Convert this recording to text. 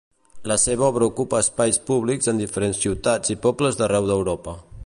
La seva obra ocupa espais públics en diferents ciutats i pobles d’arreu d’Europa.